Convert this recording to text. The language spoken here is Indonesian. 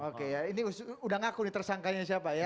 oke ya ini sudah ngaku tersangkanya siapa ya